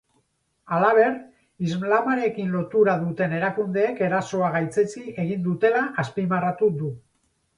Halaber, islamarekin lotura duten erakundeek erasoa gaitzetsi egin dutela azpimarratu du.